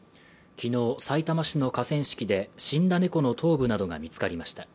昨日、さいたま市の河川敷で死んだ猫の頭部などが見つかりました。